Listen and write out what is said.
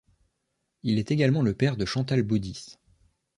Il est également le père de Chantal Baudis.